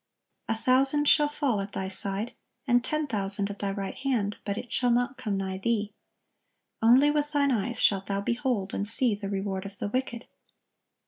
A thousand shall fall at thy side, and ten thousand at thy right hand; but it shall not come nigh thee. Only with thine eyes shalt thou behold and see the reward of the wicked.